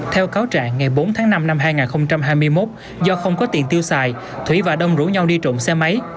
theo cáo trạng ngày bốn tháng năm năm hai nghìn hai mươi một do không có tiền tiêu xài thủy và đông rủ nhau đi trộm xe máy